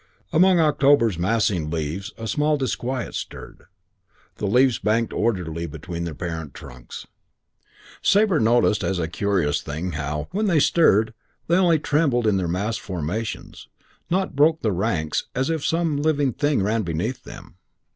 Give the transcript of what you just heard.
Among October's massing leaves, a small disquiet stirred. The leaves banked orderly between their parent trunks. Sabre noticed as a curious thing how, when they stirred, they only trembled in their massed formations, not broke their ranks, as if some live thing ran beneath them.